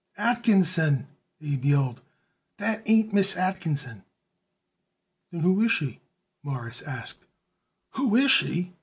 "Atkinson!" Abe yelled. "That ain't Miss Atkinson." "Then who is she?" Morris asked. "Who is she?"